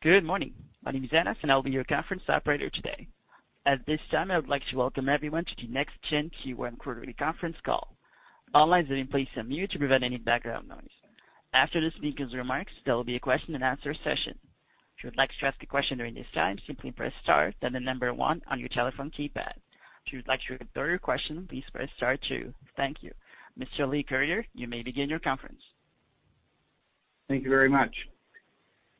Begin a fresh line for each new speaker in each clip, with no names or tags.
Good morning. My name is Giannis, and I'll be your conference operator today. At this time, I would like to welcome everyone to the NexGen Q1 quarterly conference call. All lines have been placed on mute to prevent any background noise. After the speaker's remarks, there will be a question-and-answer session. If you would like to ask a question during this time, simply press star, then the number one on your telephone keypad. If you would like to withdraw your question, please press star two. Thank you. Mr. Leigh Curyer, you may begin your conference.
Thank you very much.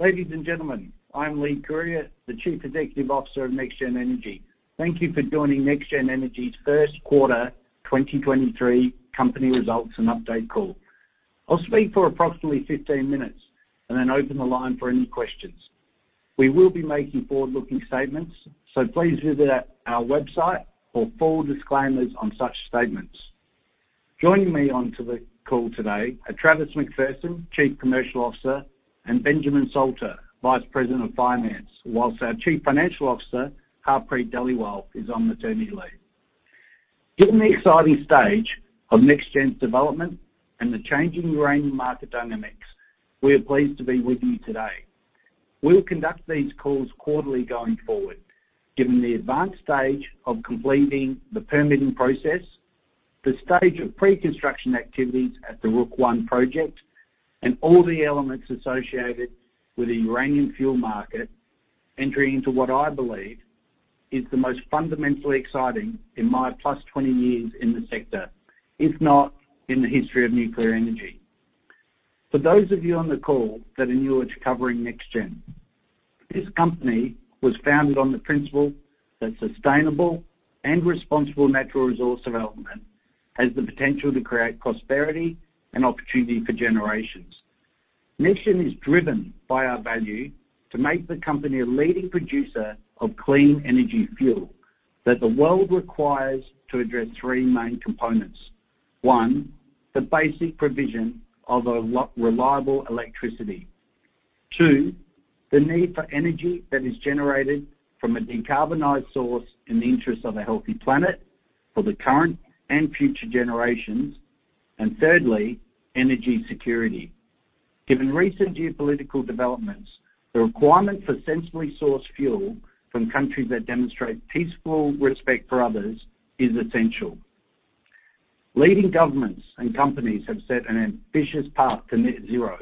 Ladies and gentlemen, I'm Leigh Curyer, the Chief Executive Officer of NexGen Energy. Thank you for joining NexGen Energy's first quarter 2023 company results and update call. I'll speak for approximately 15 minutes and then open the line for any questions. We will be making forward-looking statements, so please visit our website for full disclaimers on such statements. Joining me on to the call today are Travis McPherson, Chief Commercial Officer, and Benjamin Salter, Vice President of Finance. Whilst our Chief Financial Officer, Harpreet Dhaliwal, is on maternity leave. Given the exciting stage of NexGen's development and the changing uranium market dynamics, we are pleased to be with you today. We'll conduct these calls quarterly going forward, given the advanced stage of completing the permitting process, the stage of pre-construction activities at the Rook I project, and all the elements associated with the uranium fuel market entering into what I believe is the most fundamentally exciting in my plus 20 years in the sector, if not in the history of nuclear energy. For those of you on the call that are new to covering NexGen, this company was founded on the principle that sustainable and responsible natural resource development has the potential to create prosperity and opportunity for generations. NexGen is driven by our value to make the company a leading producer of clean energy fuel that the world requires to address three main components. one, the basic provision of a reliable electricity. Two the need for energy that is generated from a decarbonized source in the interest of a healthy planet for the current and future generations. Thirdly, energy security. Given recent geopolitical developments, the requirement for sensibly sourced fuel from countries that demonstrate peaceful respect for others is essential. Leading governments and companies have set an ambitious path to net zero,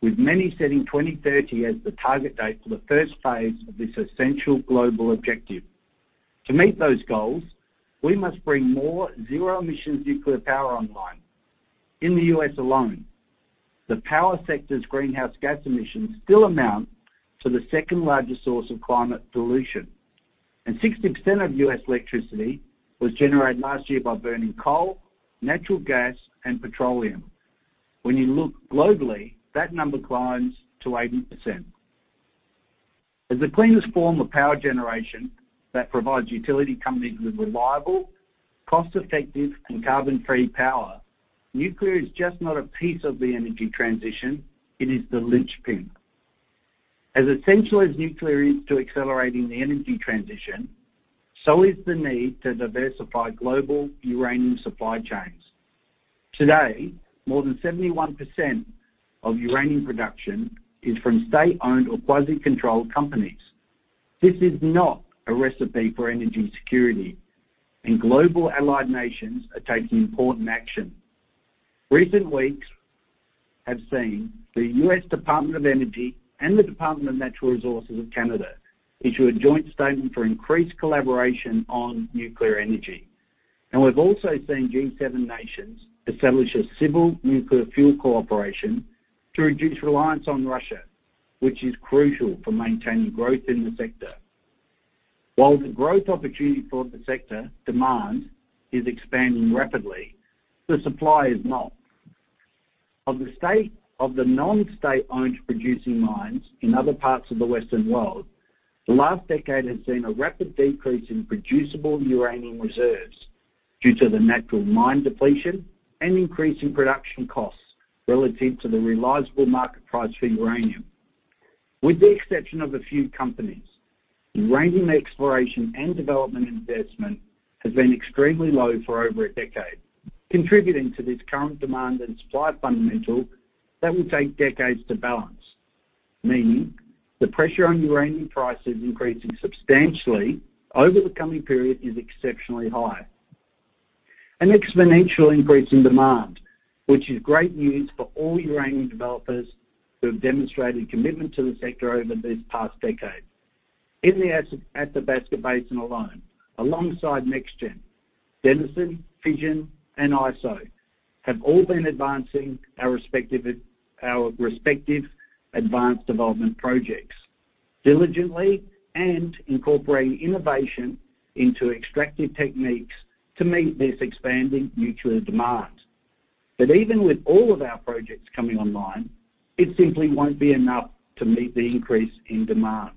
with many setting 2030 as the target date for the first phase of this essential global objective. To meet those goals, we must bring more zero-emission nuclear power online. In the U.S. alone, the power sector's greenhouse gas emissions still amount to the second-largest source of climate pollution, and 60% of U.S. electricity was generated last year by burning coal, natural gas, and petroleum. When you look globally, that number climbs to 80%. As the cleanest form of power generation that provides utility companies with reliable, cost-effective, and carbon-free power, nuclear is just not a piece of the energy transition, it is the linchpin. As essential as nuclear is to accelerating the energy transition, so is the need to diversify global uranium supply chains. Today, more than 71% of uranium production is from state-owned or quasi-controlled companies. This is not a recipe for energy security, and global allied nations are taking important action. Recent weeks have seen the US Department of Energy and the Department of Natural Resources of Canada issue a joint statement for increased collaboration on nuclear energy. We've also seen G7 nations establish a civil nuclear fuel cooperation to reduce reliance on Russia, which is crucial for maintaining growth in the sector. While the growth opportunity for the sector demand is expanding rapidly, the supply is not. Of the non-state-owned producing mines in other parts of the Western world, the last decade has seen a rapid decrease in producible uranium reserves due to the natural mine depletion and increase in production costs relative to the realizable market price for uranium. With the exception of a few companies, uranium exploration and development investment has been extremely low for over a decade, contributing to this current demand and supply fundamental that will take decades to balance. Meaning, the pressure on uranium prices increasing substantially over the coming period is exceptionally high. An exponential increase in demand, which is great news for all uranium developers who have demonstrated commitment to the sector over this past decade. In the Athabasca Basin alone, alongside NexGen, Denison, Fission, and IsoEnergy have all been advancing our respective advanced development projects diligently and incorporating innovation into extractive techniques to meet this expanding nuclear demand. Even with all of our projects coming online, it simply won't be enough to meet the increase in demand.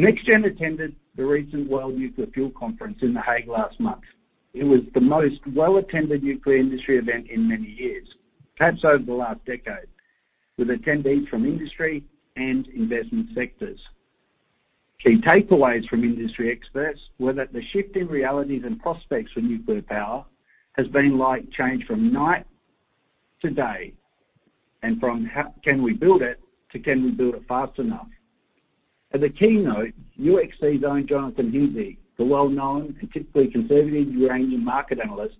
NexGen attended the recent World Nuclear Fuel conference in The Hague last month. It was the most well-attended nuclear industry event in many years, perhaps over the last decade, with attendees from industry and investment sectors. Key takeaways from industry experts were that the shift in realities and prospects for nuclear power has been like change from night to day, and from how can we build it to can we build it fast enough? As a keynote, UxC's own Jonathan Hinze, the well-known and typically conservative uranium market analyst,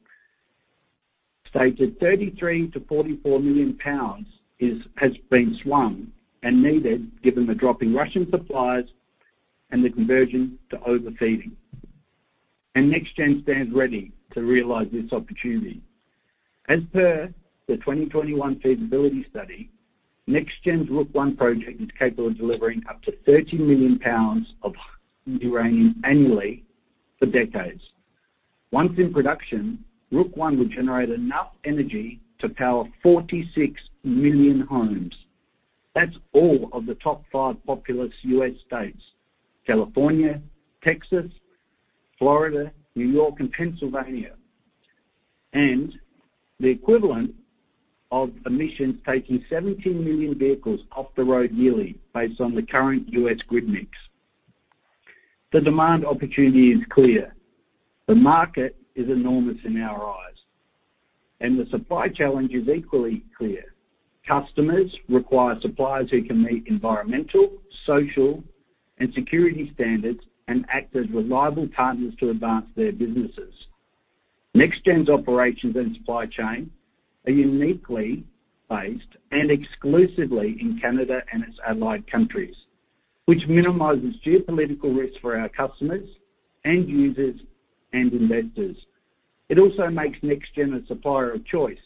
stated 33 million-44 million pounds has been swung and needed given the drop in Russian supplies and the conversion to overfeeding. NexGen stands ready to realize this opportunity. As per the 2021 feasibility study, NexGen's Rook I project is capable of delivering up to 30 million pounds of uranium annually for decades. Once in production, Rook I would generate enough energy to power 46 million homes. That's all of the top five populous U.S. states, California, Texas, Florida, New York, and Pennsylvania. The equivalent of emissions taking 17 million vehicles off the road yearly based on the current U.S. grid mix. The demand opportunity is clear. The market is enormous in our eyes, and the supply challenge is equally clear. Customers require suppliers who can meet environmental, social, and security standards and act as reliable partners to advance their businesses. NexGen's operations and supply chain are uniquely based and exclusively in Canada and its allied countries, which minimizes geopolitical risks for our customers and users and investors. It also makes NexGen a supplier of choice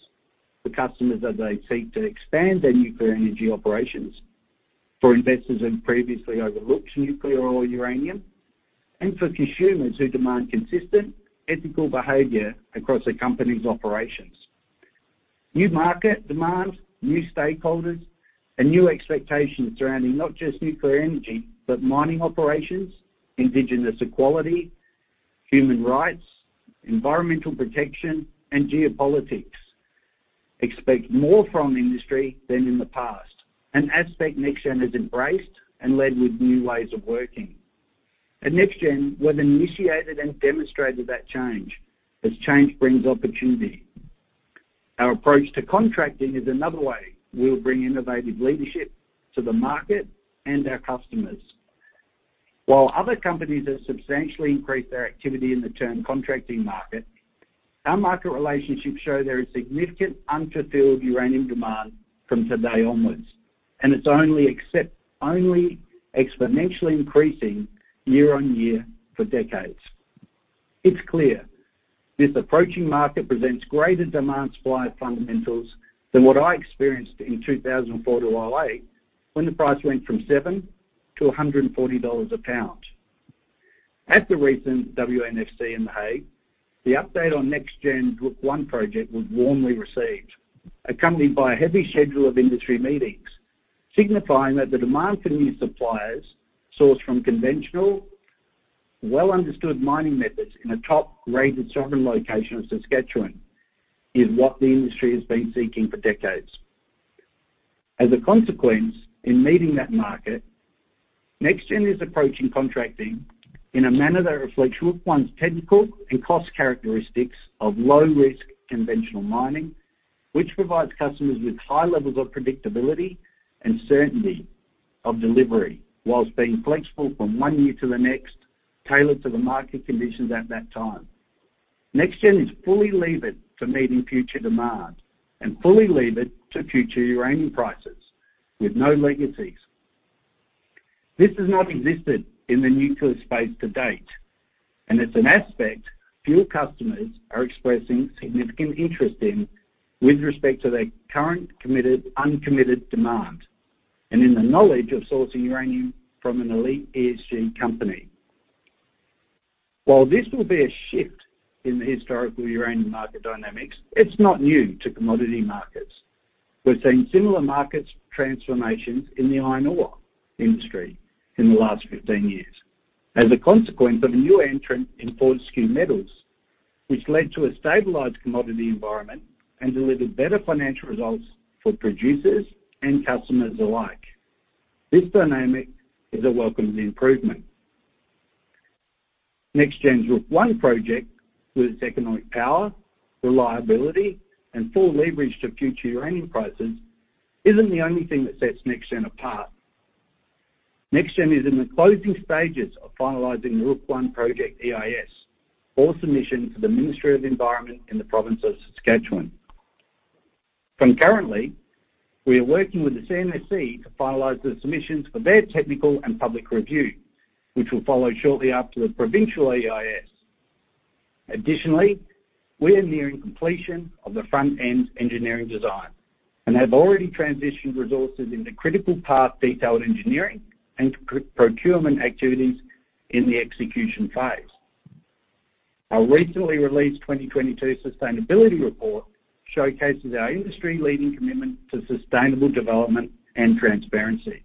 for customers as they seek to expand their nuclear energy operations for investors who've previously overlooked nuclear or uranium, and for consumers who demand consistent ethical behavior across a company's operations. New market demands, new stakeholders, and new expectations surrounding not just nuclear energy, but mining operations, indigenous equality, human rights, environmental protection, and geopolitics expect more from the industry than in the past. An aspect NexGen has embraced and led with new ways of working. At NexGen, we've initiated and demonstrated that change, as change brings opportunity. Our approach to contracting is another way we'll bring innovative leadership to the market and our customers. While other companies have substantially increased their activity in the term contracting market, our market relationships show there is significant unfulfilled uranium demand from today onwards, and it's only exponentially increasing year on year for decades. It's clear this approaching market presents greater demand supply fundamentals than what I experienced in 2004-2008 when the price went from $7-$140 a pound. At the recent WNFM in The Hague, the update on NexGen's Rook I project was warmly received, accompanied by a heavy schedule of industry meetings, signifying that the demand for new suppliers sourced from conventional, well understood mining methods in a top-rated sovereign location of Saskatchewan is what the industry has been seeking for decades. As a consequence, in meeting that market, NexGen is approaching contracting in a manner that reflects Rook I's technical and cost characteristics of low risk conventional mining, which provides customers with high levels of predictability and certainty of delivery, whilst being flexible from one year to the next, tailored to the market conditions at that time. NexGen is fully levered for meeting future demand and fully levered to future uranium prices with no legacies. It's an aspect fuel customers are expressing significant interest in with respect to their current committed, uncommitted demand, and in the knowledge of sourcing uranium from an elite ESG company. While this will be a shift in the historical uranium market dynamics, it's not new to commodity markets. We're seeing similar market transformations in the iron ore industry in the last 15 years as a consequence of a new entrant in Fortescue Metals, which led to a stabilized commodity environment and delivered better financial results for producers and customers alike. This dynamic is a welcome improvement. NexGen's Rook I project, with its economic power, reliability, and full leverage to future uranium prices isn't the only thing that sets NexGen apart. NexGen is in the closing stages of finalizing the Rook I project EIS for submission to the Ministry of Environment in the province of Saskatchewan. Concurrently, we are working with the CNSC to finalize the submissions for their technical and public review, which will follow shortly after the provincial EIS. Additionally, we are nearing completion of the Front End Engineering Design and have already transitioned resources into critical path detailed engineering and pre-procurement activities in the execution phase. Our recently released 2022 sustainability report showcases our industry-leading commitment to sustainable development and transparency.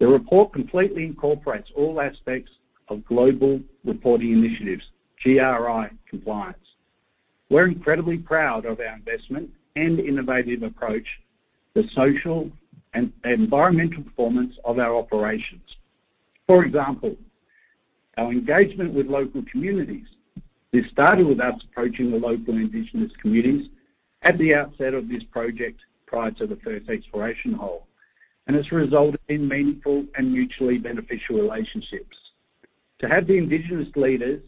The report completely incorporates all aspects of global reporting initiatives, GRI compliance. We're incredibly proud of our investment and innovative approach to social and environmental performance of our operations. For example, our engagement with local communities. This started with us approaching the local indigenous communities at the outset of this project prior to the first exploration hole, and it's resulted in meaningful and mutually beneficial relationships. To have the indigenous leaders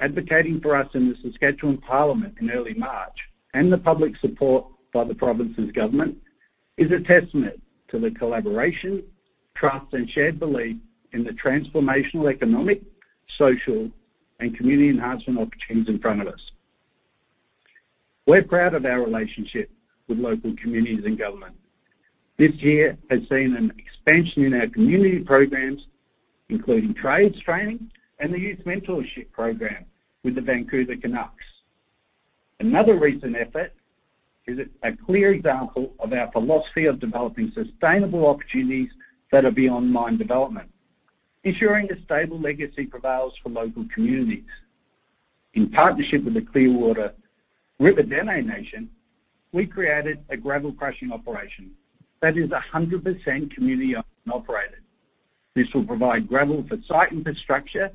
advocating for us in the Saskatchewan Parliament in early March, and the public support by the province's government, is a testament to the collaboration, trust, and shared belief in the transformational economic, social, and community enhancement opportunities in front of us. We're proud of our relationship with local communities and government. This year has seen an expansion in our community programs, including trades training and the youth mentorship program with the Vancouver Canucks. Another recent effort is a clear example of our philosophy of developing sustainable opportunities that are beyond mine development, ensuring a stable legacy prevails for local communities. In partnership with the Clearwater River Dene Nation, we created a gravel crushing operation that is 100% community owned and operated. This will provide gravel for site infrastructure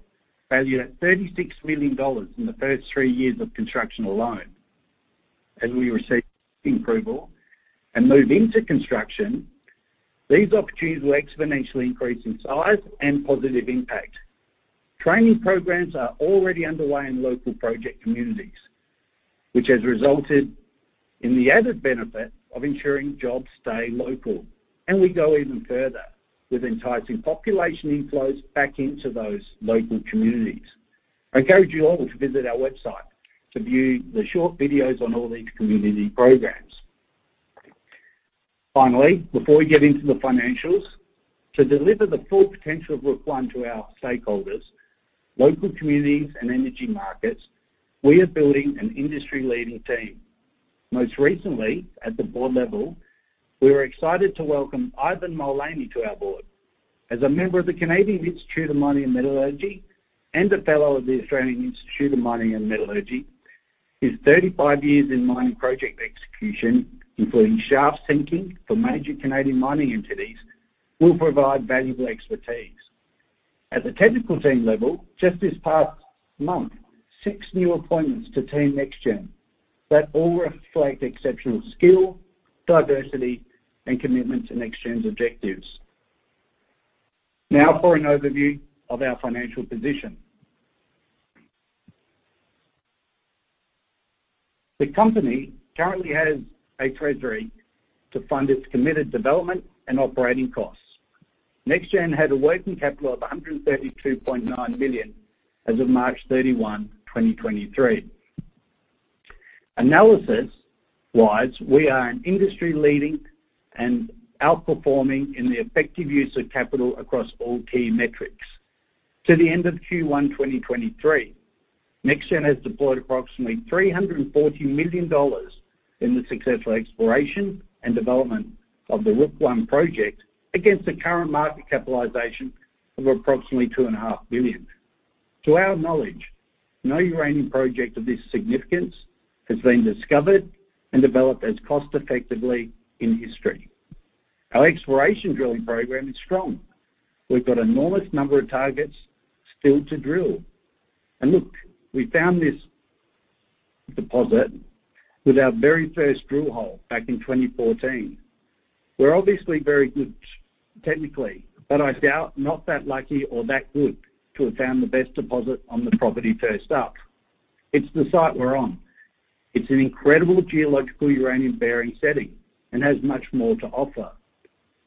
valued at 36 million dollars in the first 3 years of construction alone. As we receive approval and move into construction, these opportunities will exponentially increase in size and positive impact. Training programs are already underway in local project communities, which has resulted in the added benefit of ensuring jobs stay local, and we go even further with enticing population inflows back into those local communities. I encourage you all to visit our website to view the short videos on all these community programs. Finally, before we get into the financials, to deliver the full potential of Rook I to our stakeholders, local communities and energy markets, we are building an industry-leading team. Most recently, at the board level, we were excited to welcome Ivan Mullany to our board. As a member of the Canadian Institute of Mining, Metallurgy and Petroleum and a fellow of the Australasian Institute of Mining and Metallurgy, his 35 years in mining project execution, including shaft sinking for major Canadian mining entities, will provide valuable expertise. At the technical team level, just this past month, six new appointments to Team NexGen that all reflect exceptional skill, diversity, and commitment to NexGen's objectives. Now for an overview of our financial position. The company currently has a treasury to fund its committed development and operating costs. NexGen had a working capital of 132.9 million as of 31 March 2023. Analysis-wise, we are an industry-leading and outperforming in the effective use of capital across all key metrics. To the end of Q1, 2023, NexGen has deployed approximately 340 million dollars in the successful exploration and development of the Rook I project against the current market capitalization of approximately 2.5 billion. To our knowledge, no uranium project of this significance has been discovered and developed as cost effectively in history. Our exploration drilling program is strong. We've got enormous number of targets still to drill. Look, we found this deposit with our very first drill hole back in 2014. We're obviously very good technically. I doubt not that lucky or that good to have found the best deposit on the property first up. It's the site we're on. It's an incredible geological uranium-bearing setting and has much more to offer.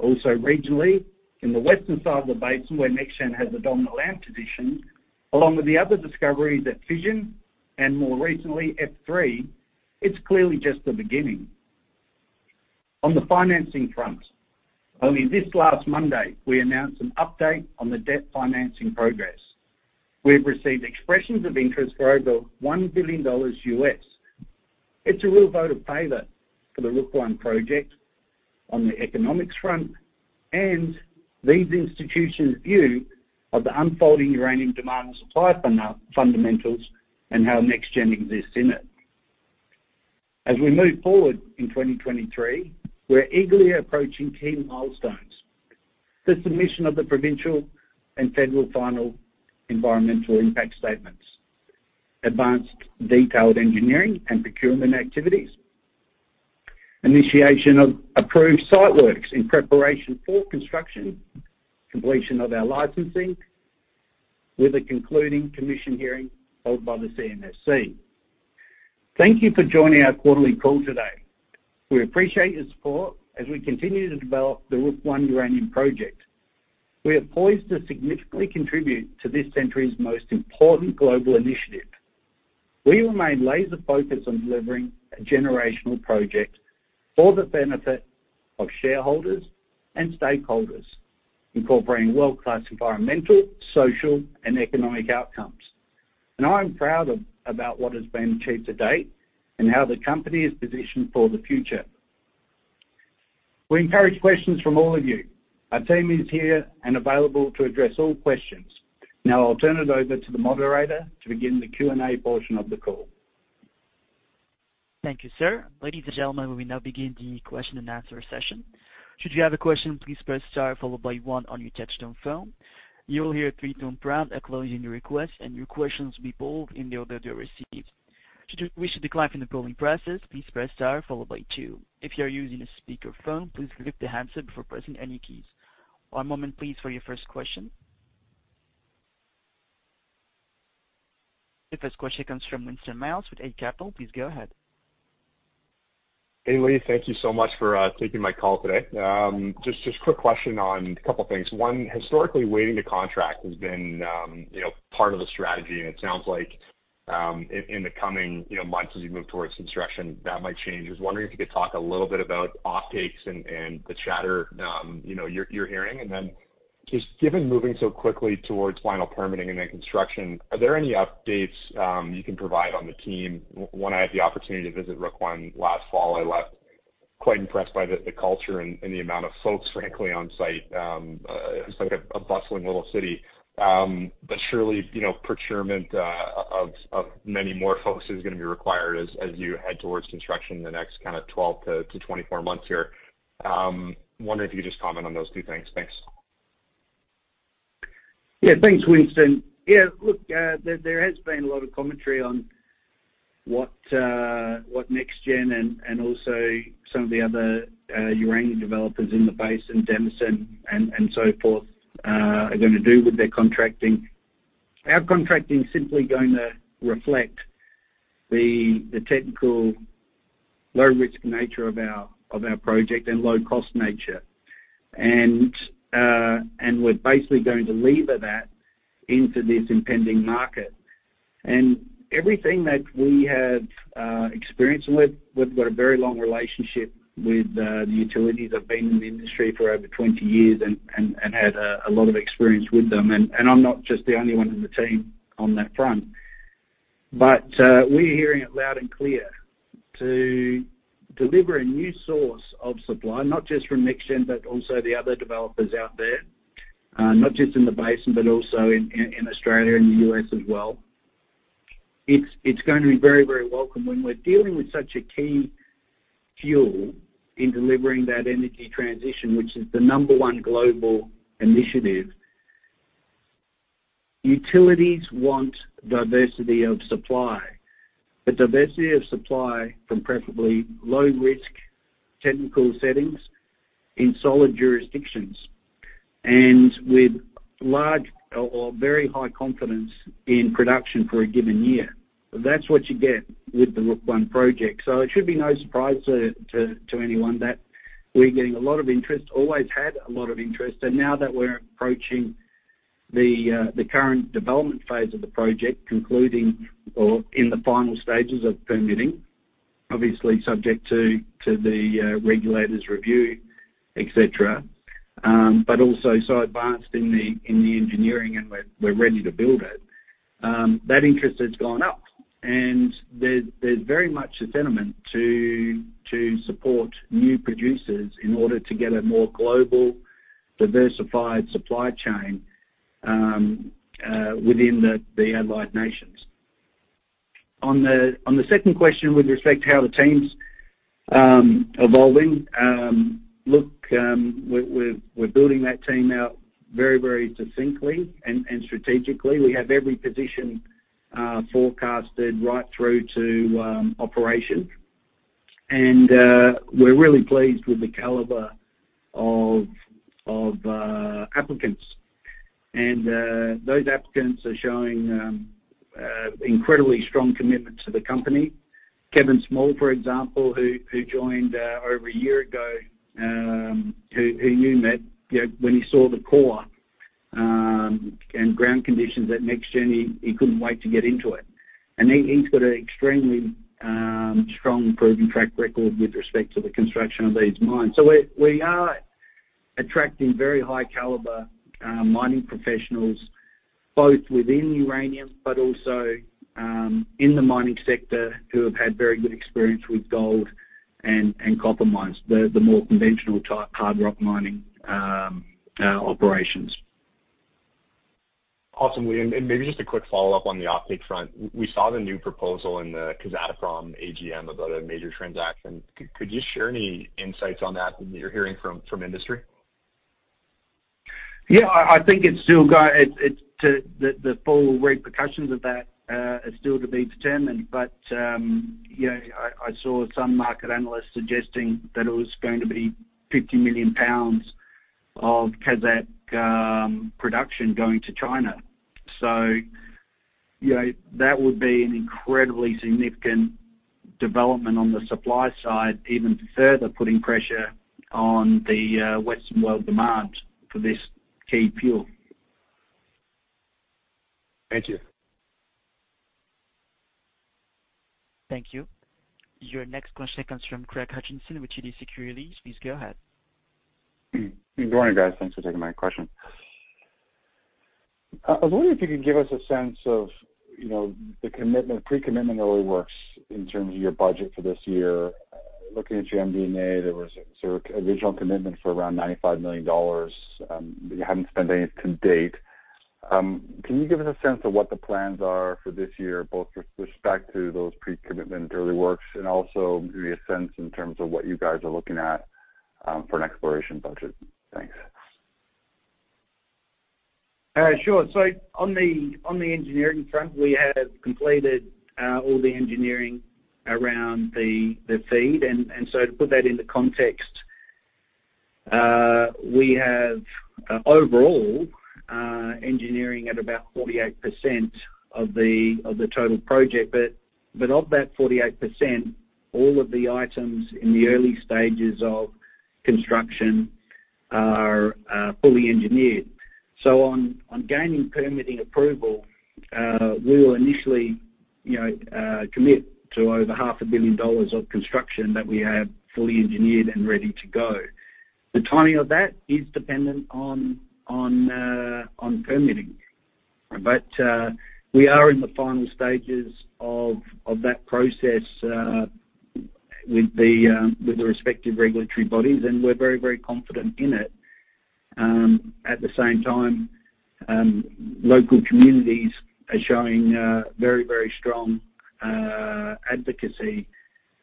Regionally, in the western side of the basin where NexGen has a dominant land position, along with the other discoveries at Fission and more recently F3, it's clearly just the beginning. On the financing front, only this last Monday, we announced an update on the debt financing progress. We've received expressions of interest for over $1 billion. It's a real vote of favor for the Rook I project on the economics front and these institutions' view of the unfolding uranium demand and supply fundamentals and how NexGen exists in it. We move forward in 2023, we're eagerly approaching key milestones. The submission of the provincial and federal final environmental impact statements, advanced detailed engineering and procurement activities, initiation of approved site works in preparation for construction, completion of our licensing with a concluding commission hearing held by the CNSC. Thank you for joining our quarterly call today. We appreciate your support as we continue to develop the Rook I uranium project. We are poised to significantly contribute to this century's most important global initiative. We remain laser-focused on delivering a generational project for the benefit of shareholders and stakeholders, incorporating world-class environmental, social, and economic outcomes. I'm proud of about what has been achieved to date and how the company is positioned for the future. We encourage questions from all of you. Our team is here and available to address all questions. I'll turn it over to the moderator to begin the Q&A portion of the call.
Thank you, sir. Ladies and gentlemen, we now begin the question-and-answer session. Should you have a question, please press star followed by one on your touch-tone phone. You will hear a three-tone prompt acknowledging your request, and your question will be polled in the order they're received. Should you wish to decline from the polling process, please press star followed by two. If you are using a speakerphone, please lift the handset before pressing any keys. One moment please for your first question. The first question comes from Winston Miles with Eight Capital. Please go ahead.
Hey, Leigh. Thank you so much for taking my call today. Just quick question on a couple of things. One, historically, waiting to contract has been, you know, part of the strategy, and it sounds like in the coming, you know, months as you move towards construction, that might change. I was wondering if you could talk a little bit about offtakes and the chatter, you know, you're hearing. Just given moving so quickly towards final permitting and then construction, are there any updates you can provide on the team? One, I had the opportunity to visit Rook I last fall. I left quite impressed by the culture and the amount of folks frankly on site. It's like a bustling little city. Surely, you know, procurement of many more folks is gonna be required as you head towards construction in the next kinda 12-24 months here. Wondering if you just comment on those two things. Thanks.
Yeah, thanks, Winston. Look, there has been a lot of commentary on what NexGen and also some of the other uranium developers in the basin, Denison and so forth, are gonna do with their contracting. Our contracting is simply gonna reflect the technical low-risk nature of our project and low-cost nature. We're basically going to lever that into this impending market. Everything that we have experience with, we've got a very long relationship with the utilities. I've been in the industry for over 20 years and had a lot of experience with them. I'm not just the only one in the team on that front. We're hearing it loud and clear to deliver a new source of supply, not just from NexGen, but also the other developers out there, not just in the basin, but also in Australia and the U.S. as well. It's gonna be very, very welcome. When we're dealing with such a key fuel in delivering that energy transition, which is the number one global initiative, utilities want diversity of supply. A diversity of supply from preferably low risk technical settings in solid jurisdictions and with large or very high confidence in production for a given year. That's what you get with the Rook I project. It should be no surprise to anyone that we're getting a lot of interest. Always had a lot of interest. Now that we're approaching the current development phase of the project, concluding or in the final stages of permitting, obviously subject to the regulators' review, et cetera, but also so advanced in the engineering and we're ready to build it, that interest has gone up. There's very much a sentiment to support new producers in order to get a more global, diversified supply chain within the Allied Nations. On the second question with respect to how the team's evolving, look, we're building that team out very succinctly and strategically. We have every position forecasted right through to operation. We're really pleased with the caliber of applicants. Those applicants are showing incredibly strong commitment to the company. Kevin Small, for example, who joined over a year ago, who you met, you know, when he saw the core and ground conditions at NexGen, he couldn't wait to get into it. He's got an extremely strong proven track record with respect to the construction of these mines. We are attracting very high caliber mining professionals, both within uranium, but also in the mining sector who have had very good experience with gold and copper mines, the more conventional type hard rock mining operations.
Awesome, Leigh. Maybe just a quick follow-up on the offtake front. We saw the new proposal in the Kazatomprom AGM about a major transaction. Could you share any insights on that, what you're hearing from industry?
Yeah. I think it's still got. The full repercussions of that are still to be determined. You know, I saw some market analysts suggesting that it was going to be 50 million pounds of Kazakhstan production going to China. You know, that would be an incredibly significant development on the supply side, even further putting pressure on the Western world demand for this key fuel.
Thank you.
Thank you. Your next question comes from Craig Hutchison with TD Securities. Please go ahead.
Good morning, guys. Thanks for taking my question. I was wondering if you could give us a sense of, you know, the commitment, pre-commitment early works in terms of your budget for this year. Looking at your MD&A, there was sort of a visual commitment for around 95 million dollars, but you haven't spent any to date. Can you give us a sense of what the plans are for this year, both with respect to those pre-commitment early works and also give me a sense in terms of what you guys are looking at, for an exploration budget? Thanks?
Sure. On the engineering front, we have completed all the engineering around the FEED. To put that into context, we have overall engineering at about 48% of the total project. Of that 48%, all of the items in the early stages of construction are fully engineered. On gaining permitting approval, we will initially, you know, commit to over half a billion dollars of construction that we have fully engineered and ready to go. The timing of that is dependent on permitting. We are in the final stages of that process with the respective regulatory bodies, and we're very, very confident in it. At the same time, local communities are showing very, very strong advocacy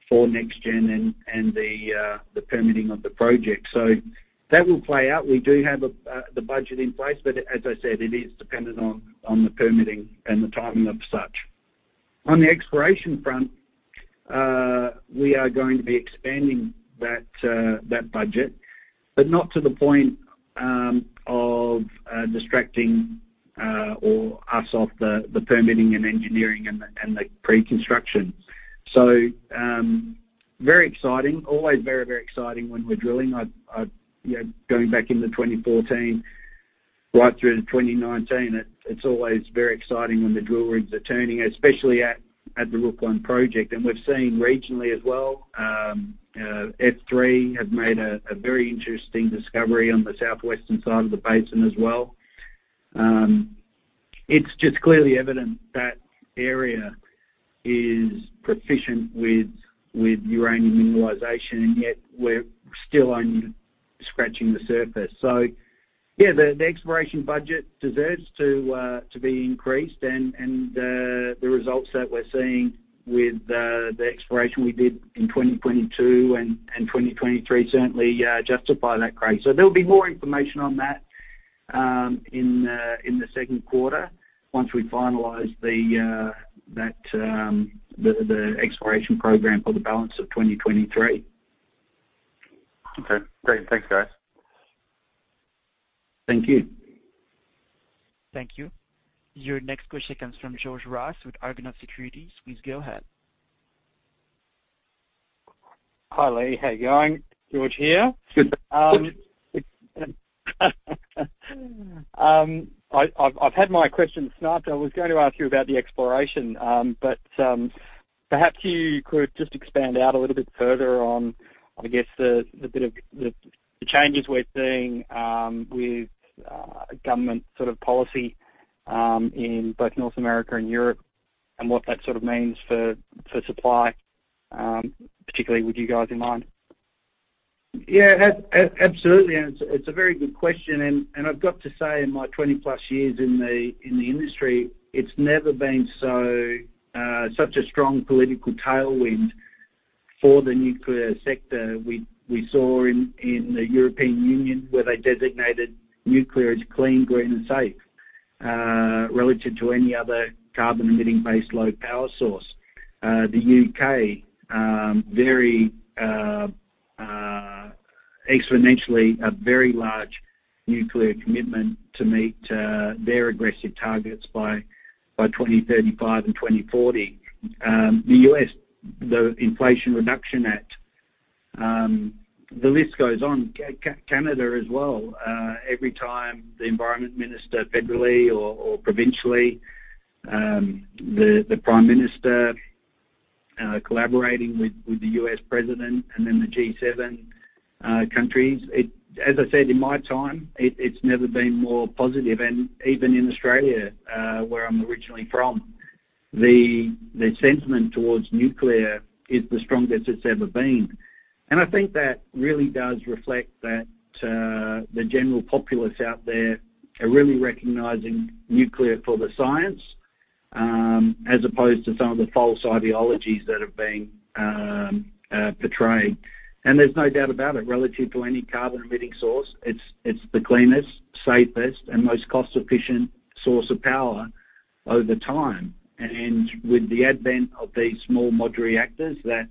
for NexGen and the permitting of the project. That will play out. We do have the budget in place, but as I said, it is dependent on the permitting and the timing of such. On the exploration front, we are going to be expanding that budget, but not to the point of distracting us off the permitting and engineering and pre-construction. Very exciting. Always very, very exciting when we're drilling. You know, going back into 2014 right through to 2019, it's always very exciting when the drill rigs are turning, especially at the Rook I project. We've seen regionally as well, F3 have made a very interesting discovery on the southwestern side of the basin as well. It's just clearly evident that area is proficient with uranium mineralization, yet we're still only scratching the surface. Yeah, the exploration budget deserves to be increased, and the results that we're seeing with the exploration we did in 2022 and 2023 certainly justify that, Craig. There'll be more information on that in the second quarter once we finalize the exploration program for the balance of 2023.
Okay, great. Thanks, guys.
Thank you.
Thank you. Your next question comes from George Ross with Argonaut Securities. Please go ahead.
Hi, Leigh. How are you going? George here.
Good.
I've had my question sniped. I was going to ask you about the exploration, but perhaps you could just expand out a little bit further on, I guess the bit of the changes we're seeing with government sort of policy in both North America and Europe and what that sort of means for supply, particularly with you guys in mind.
Yeah. Absolutely. It's a very good question. I've got to say, in my 20+ years in the industry, it's never been so such a strong political tailwind for the nuclear sector. We saw in the European Union, where they designated nuclear as clean, green and safe relative to any other carbon-emitting base load power source. The U.K., very exponentially a very large nuclear commitment to meet their aggressive targets by 2035 and 2040. The U.S., the Inflation Reduction Act, the list goes on. Canada as well, every time the environment minister, federally or provincially, the Prime Minister collaborating with the U.S. President and the G7 countries. As I said, in my time, it's never been more positive. Even in Australia, where I'm originally from, the sentiment towards nuclear is the strongest it's ever been. I think that really does reflect that the general populace out there are really recognizing nuclear for the science, as opposed to some of the false ideologies that have been portrayed. There's no doubt about it, relative to any carbon-emitting source, it's the cleanest, safest, and most cost-efficient source of power over time. With the advent of these small module reactors that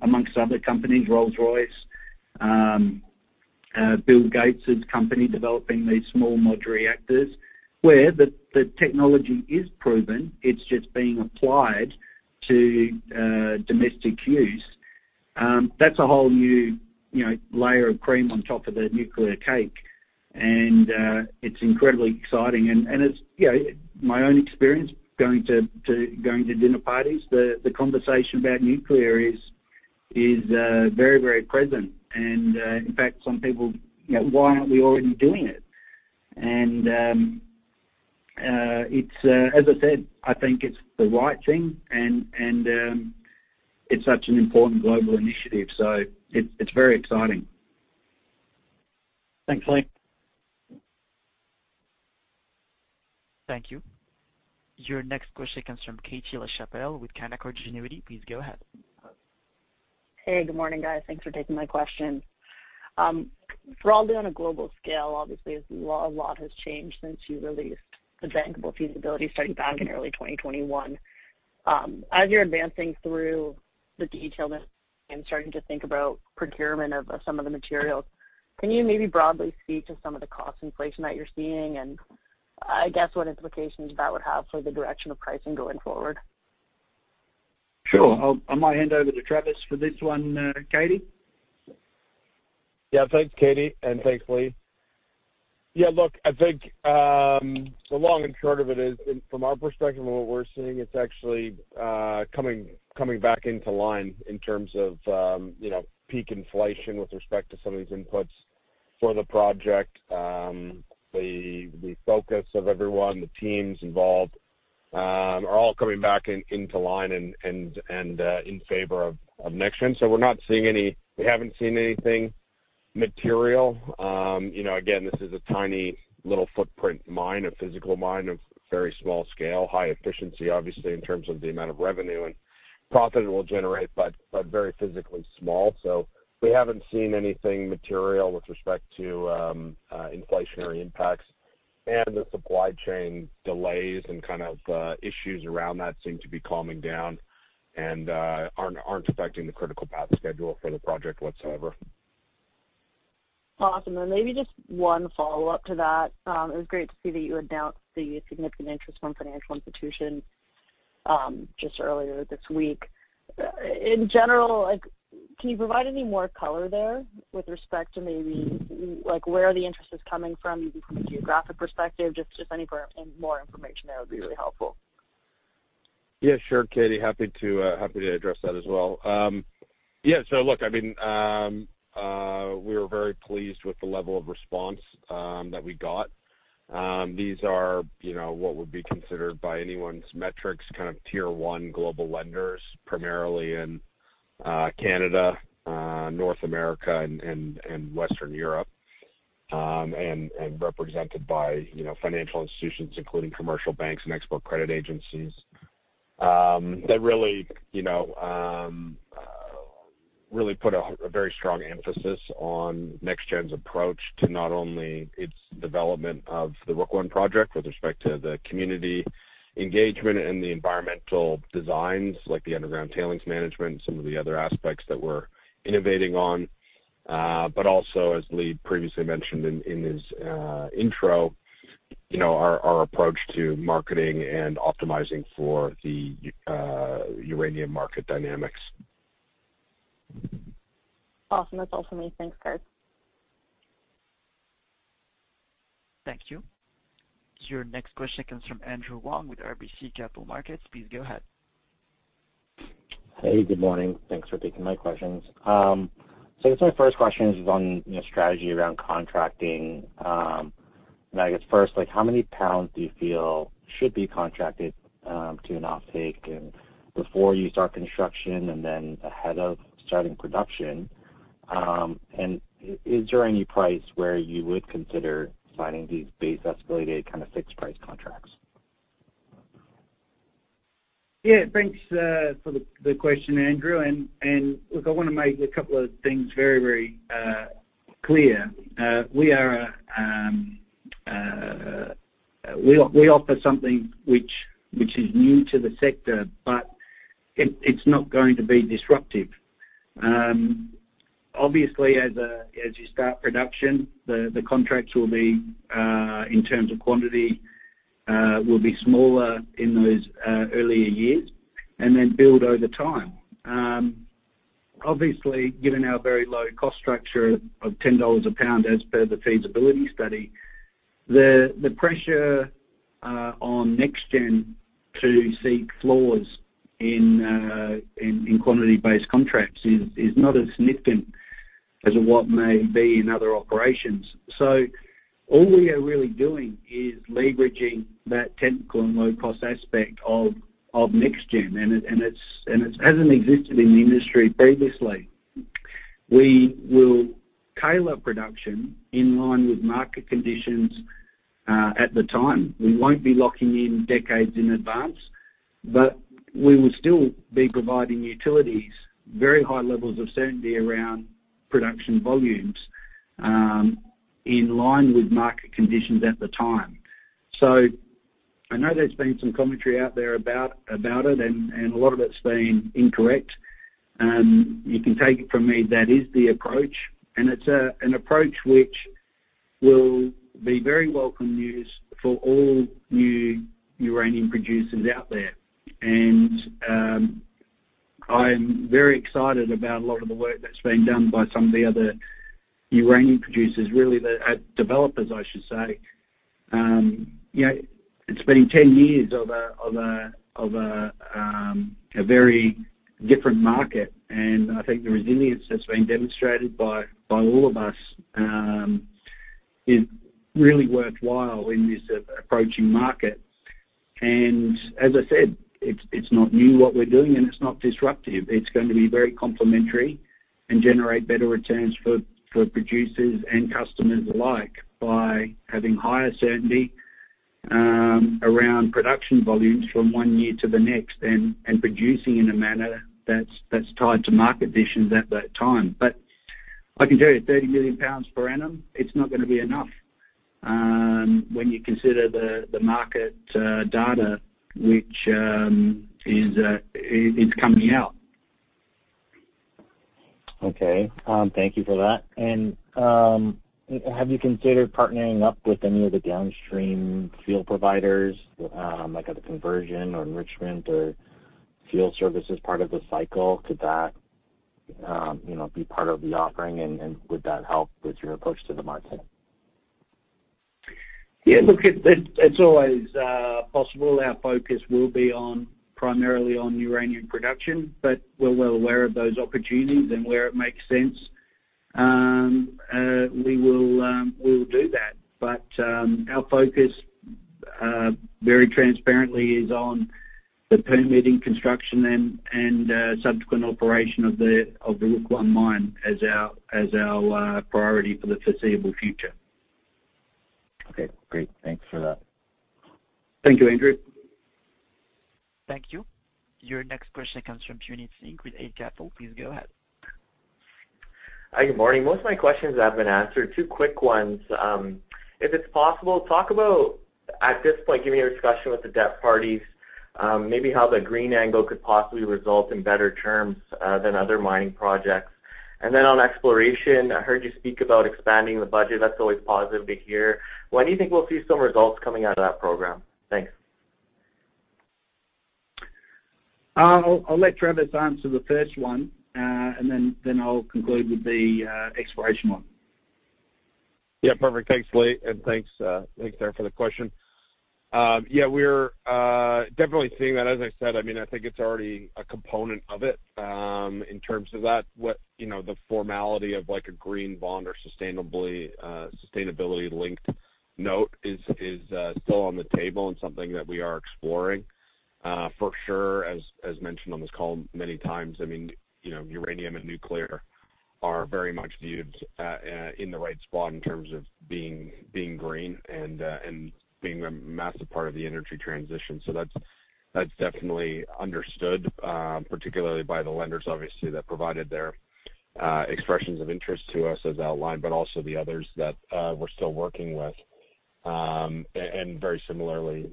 amongst other companies, Rolls-Royce, Bill Gates's company, developing these small module reactors, where the technology is proven, it's just being applied to domestic use, that's a whole new, you know, layer of cream on top of the nuclear cake. It's incredibly exciting. It's, you know, my own experience going to going to dinner parties, the conversation about nuclear is very, very present. In fact, some people, you know, why aren't we already doing it? It's, as I said, I think it's the right thing and, it's such an important global initiative. It's very exciting.
Thanks, Leigh.
Thank you. Your next question comes from Katie Lachapelle with Canaccord Genuity. Please go ahead.
Hey, good morning, guys. Thanks for taking my question. Broadly on a global scale, obviously, as a lot has changed since you released the bankable feasibility study back in early 2021. As you're advancing through the detail and starting to think about procurement of some of the materials, can you maybe broadly speak to some of the cost inflation that you're seeing, and I guess what implications that would have for the direction of pricing going forward?
Sure. I might hand over to Travis for this one, Katie.
Thanks, Katie, and thanks, Leigh. Look, I think the long and short of it is from our perspective, and what we're seeing, it's actually coming back into line in terms of, you know, peak inflation with respect to some of these inputs for the project. The focus of everyone, the teams involved, are all coming back into line and in favor of NexGen. We haven't seen anything material. You know, again, this is a tiny little footprint mine, a physical mine of very small scale, high efficiency, obviously, in terms of the amount of revenue and profit it will generate, but very physically small. We haven't seen anything material with respect to inflationary impacts. The supply chain delays and kind of issues around that seem to be calming down and aren't affecting the critical path schedule for the project whatsoever.
Awesome. Maybe just one follow-up to that. It was great to see that you announced the significant interest from financial institutions just earlier this week. In general, like, can you provide any more color there with respect to maybe, like, where the interest is coming from, maybe from a geographic perspective, just any more information there would be really helpful?
Yeah, sure, Katie. Happy to, happy to address that as well. Look, I mean, we were very pleased with the level of response that we got. These are, you know, what would be considered by anyone's metrics, kind of tier one global lenders, primarily in Canada, North America and Western Europe. Represented by, you know, financial institutions, including commercial banks and export credit agencies, that really, you know, really put a very strong emphasis on NexGen's approach to not only its development of the Rook I project with respect to the community engagement and the environmental designs, like the underground tailings management and some of the other aspects that we're innovating on, but also, as Lee previously mentioned in his intro, you know, our approach to marketing and optimizing for the uranium market dynamics.
Awesome. That's all for me. Thanks, guys.
Thank you. Your next question comes from Andrew Wong with RBC Capital Markets. Please go ahead.
Hey, good morning. Thanks for taking my questions. I guess my first question is on, you know, strategy around contracting. I guess first, like, how many pounds do you feel should be contracted to an offtake and before you start construction and then ahead of starting production? Is there any price where you would consider signing these base escalated kind of fixed price contracts?
Yeah. Thanks for the question, Andrew. Look, I wanna make a couple of things very clear. We are, we offer something which is new to the sector, but it's not going to be disruptive. Obviously, as you start production, the contracts will be in terms of quantity, will be smaller in those earlier years and then build over time. Obviously, given our very low cost structure of 10 dollars a pound as per the feasibility study, the pressure on NexGen to seek floors in quantity-based contracts is not as significant as what may be in other operations. All we are really doing is leveraging that technical and low-cost aspect of NexGen, and it's hasn't existed in the industry previously. We will tailor production in line with market conditions at the time. We won't be locking in decades in advance, but we will still be providing utilities very high levels of certainty around production volumes in line with market conditions at the time. I know there's been some commentary out there about it, and a lot of it's been incorrect. You can take it from me, that is the approach, and it's an approach which will be very welcome news for all new uranium producers out there. I'm very excited about a lot of the work that's been done by some of the other uranium producers really the developers, I should say. You know, it's been 10 years of a very different market, I think the resilience that's been demonstrated by all of us is really worthwhile in this approaching market. As I said, it's not new what we're doing, and it's not disruptive. It's going to be very complementary and generate better returns for producers and customers alike by having higher certainty around production volumes from 1 year to the next and producing in a manner that's tied to market conditions at that time. I can tell you, 30 million pounds per annum, it's not gonna be enough when you consider the market data which is coming out.
Okay. Thank you for that. Have you considered partnering up with any of the downstream field providers, like at the conversion or enrichment or field services part of the cycle? Could that, you know, be part of the offering, and would that help with your approach to the market?
Yeah, look, it's always possible. Our focus will be primarily on uranium production, but we're well aware of those opportunities and where it makes sense. We will do that. Our focus very transparently is on the permitting construction and subsequent operation of the Rook I mine as our priority for the foreseeable future.
Okay, great. Thanks for that.
Thank you, Andrew.
Thank you. Your next question comes from Puneet Singh with Eight Capital. Please go ahead.
Hi, good morning. Most of my questions have been answered. Two quick ones. If it's possible, talk about at this point, give me your discussion with the debt parties, maybe how the green angle could possibly result in better terms than other mining projects. On exploration, I heard you speak about expanding the budget. That's always positive to hear. When do you think we'll see some results coming out of that program? Thanks.
I'll let Travis answer the first one, and then I'll conclude with the exploration one.
Yeah, perfect. Thanks, Leigh. Thanks there for the question. Yeah, we're definitely seeing that. As I said, I mean, I think it's already a component of it. In terms of that, what, you know, the formality of like a green bond or sustainably, sustainability-linked note is still on the table and something that we are exploring. For sure, as mentioned on this call many times, I mean, you know, uranium and nuclear are very much viewed in the right spot in terms of being green and being a massive part of the energy transition. That's definitely understood, particularly by the lenders obviously that provided their expressions of interest to us as outlined, but also the others that we're still working with. Very similarly,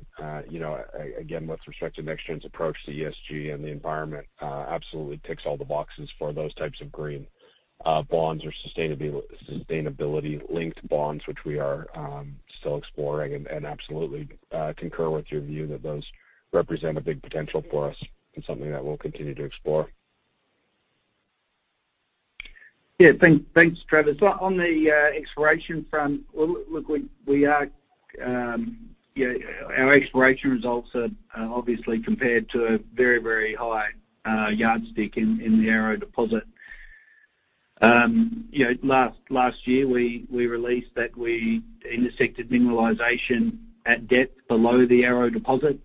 you know, again, with respect to NexGen's approach to ESG and the environment, absolutely ticks all the boxes for those types of green bonds or sustainability-linked bonds, which we are still exploring and absolutely concur with your view that those represent a big potential for us and something that we'll continue to explore.
Thanks, Travis. On the exploration front, we are our exploration results are obviously compared to a very, very high yardstick in the Arrow deposit. You know, last year, we released that we intersected mineralization at depth below the Arrow deposit.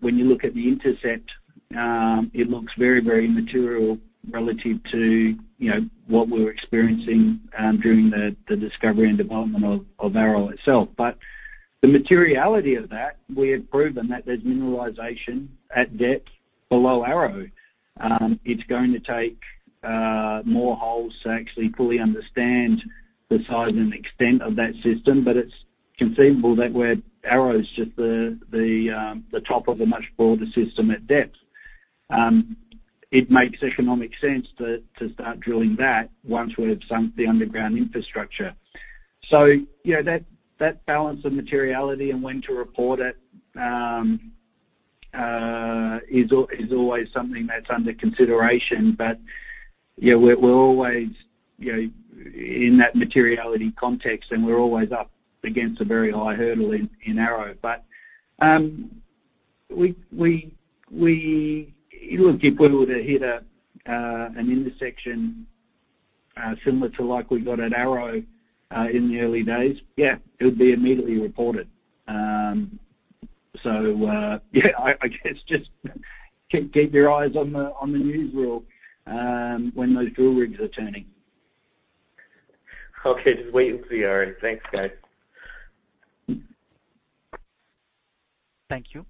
When you look at the intercept, it looks very, very material relative to, you know, what we were experiencing during the discovery and development of Arrow itself. The materiality of that, we have proven that there's mineralization at depth below Arrow. It's going to take more holes to actually fully understand the size and extent of that system, but it's conceivable that where Arrow is just the top of a much broader system at depth, it makes economic sense to start drilling that once we have sunk the underground infrastructure. You know, that balance of materiality and when to report it, is always something that's under consideration. Yeah, we're always, you know, in that materiality context, and we're always up against a very high hurdle in Arrow. Look, if we were to hit an intersection similar to like we got at Arrow in the early days, yeah, it would be immediately reported. Yeah, I guess just keep your eyes on the newsreel, when those drill rigs are turning.
Okay. Just wait and see. All right. Thanks, guys.
Thank you.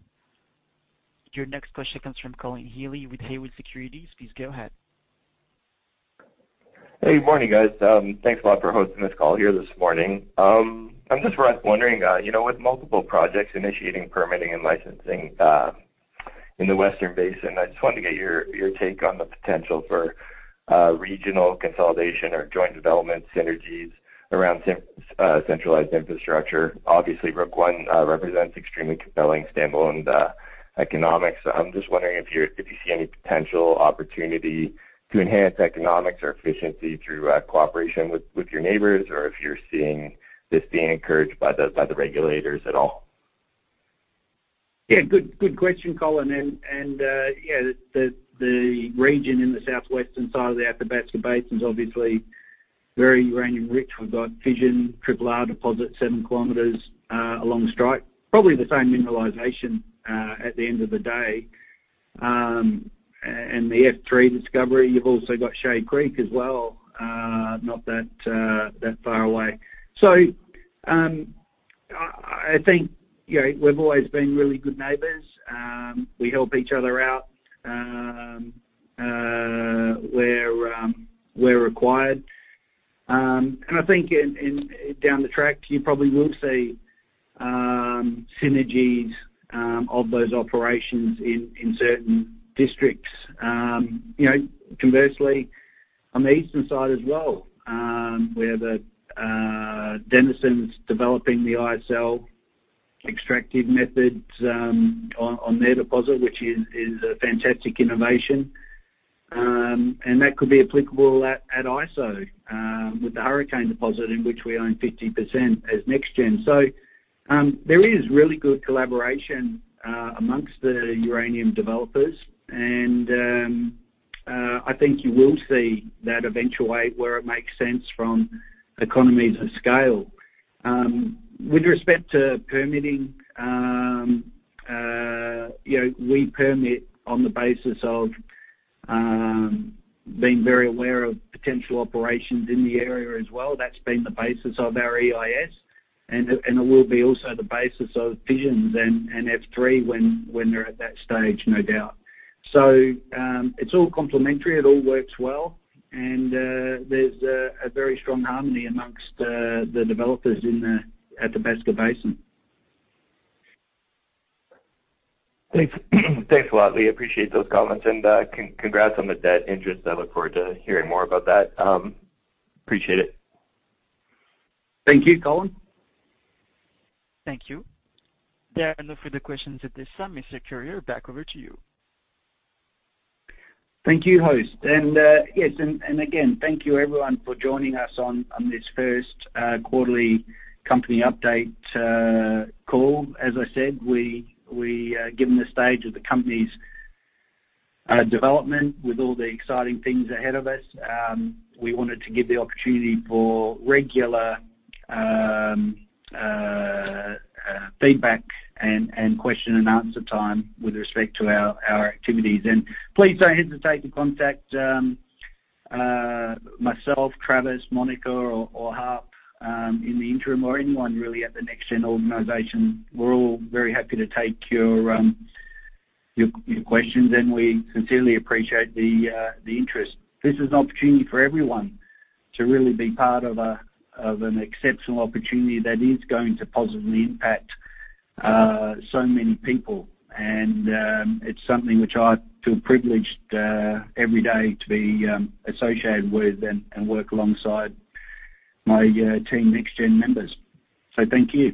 Your next question comes from Colin Healey with Haywood Securities. Please go ahead.
Hey, good morning, guys. Thanks a lot for hosting this call here this morning. I'm just wondering, you know, with multiple projects initiating permitting and licensing in the western basin, I just wanted to get your take on the potential for regional consolidation or joint development synergies around centralized infrastructure. Obviously, Rook I represents extremely compelling standalone economics. I'm just wondering if you see any potential opportunity to enhance economics or efficiency through cooperation with your neighbors or if you're seeing this being encouraged by the regulators at all.
Good question, Colin. The region in the southwestern side of the Athabasca Basin is obviously very uranium-rich. We've got Fission, Triple R deposit seven kilometers along strike. Probably the same mineralization at the end of the day. And the F3 discovery, you've also got Shea Creek as well, not that far away. I think, you know, we've always been really good neighbors. We help each other out where required. I think down the track, you probably will see synergies of those operations in certain districts. You know, conversely on the eastern side as well, where the Denison's developing the ISL extractive methods on their deposit, which is a fantastic innovation. That could be applicable at Iso, with the Hurricane deposit in which we own 50% as NexGen. There is really good collaboration amongst the uranium developers. I think you will see that eventuate where it makes sense from economies of scale. With respect to permitting, you know, we permit on the basis of being very aware of potential operations in the area as well. That's been the basis of our EIS and it will be also the basis of Fission's and F3 when they're at that stage, no doubt. It's all complementary, it all works well, and there's a very strong harmony amongst the developers in the Athabasca Basin.
Thanks. Thanks a lot, Lee. Appreciate those comments. Congrats on the debt interest. I look forward to hearing more about that. Appreciate it.
Thank you, Colin.
Thank you. There are no further questions at this time. Mr. Curyer, back over to you.
Thank you, host. Yes, again, thank you everyone for joining us on this first quarterly company update call. As I said, we given the stage of the company's development with all the exciting things ahead of us, we wanted to give the opportunity for regular feedback and question and answer time with respect to our activities. Please don't hesitate to contact myself, Travis, Monica, or Harp in the interim or anyone really at the NexGen organization. We're all very happy to take your questions, and we sincerely appreciate the interest. This is an opportunity for everyone to really be part of an exceptional opportunity that is going to positively impact so many people. It's something which I feel privileged every day to be associated with and work alongside my team NexGen members. Thank you.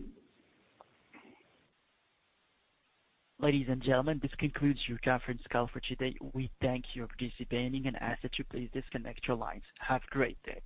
Ladies and gentlemen, this concludes your conference call for today. We thank you for participating and ask that you please disconnect your lines. Have a great day.